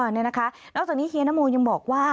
นอกจากนี้เฮนะโมอธิบายยังบอกว่า